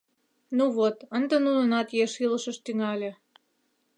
— Ну вот, ынде нунынат еш илышышт тӱҥале.